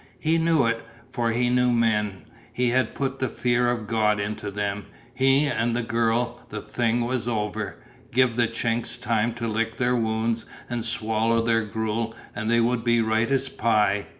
He knew it, for he knew men. He had put the fear of God into them, he and the girl; the thing was over. Give the "Chinks" time to lick their wounds and swallow their gruel and they would be right as pie.